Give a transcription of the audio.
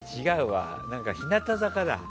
違うわ、日向坂だ。